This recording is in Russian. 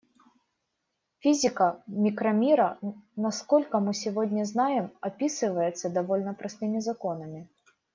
Физика микромира, насколько мы сегодня знаем, описывается довольно простыми законами.